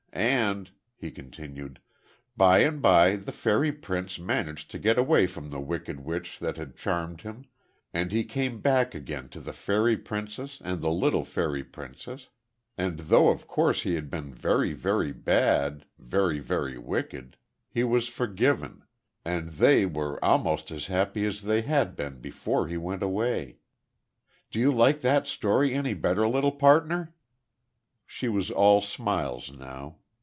And," he continued, "bye and bye the fairy prince managed to get away from the wicked witch that had charmed him, and he came back again to the fairy princess, and the little fairy princess; and though of course he had been very, very bad very, very wicked he was forgiven; and they were almost as happy as they had been before he went away.... Do you like that story any better, little partner?" She was all smiles now.